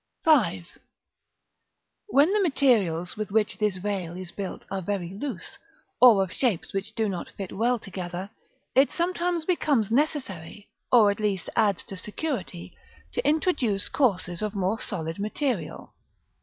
§ V. When the materials with which this veil is built are very loose, or of shapes which do not fit well together, it sometimes becomes necessary, or at least adds to security, to introduce courses of more solid material.